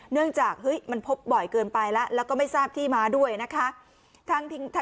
เนื่องจากมันพบบ่อยเกินไปแล้วแล้วก็ไม่ทราบที่มาด้วยนะคะ